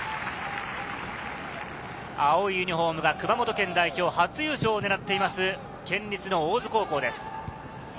青いユニホームが熊本県代表、初優勝を狙っています、県立の大津高校です。